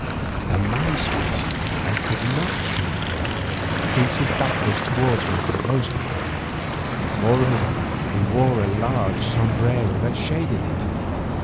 The man's face I could not see however, since his back was towards me for the most part, moreover he wore a large sombrero that shaded it.